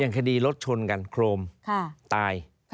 อย่างคดีรถชนกันโครมตาย